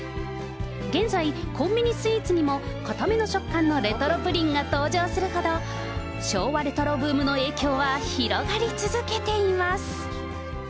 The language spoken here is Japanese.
現在、コンビニスイーツにも硬めの食感のレトロプリンが登場するほど、昭和レトロブームの影響は広がり続けています。